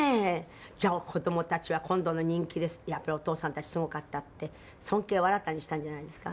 じゃあ、子供たちは今度の人気でやっぱりお父さんたち、すごかったって尊敬を新たにしたんじゃないですか？